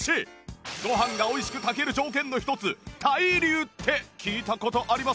ご飯が美味しく炊ける条件の一つ対流って聞いた事ありますよね？